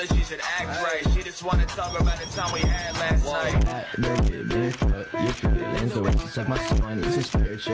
สักมากสักมากนี่สิแบบนี้แบบนี้แบบนี้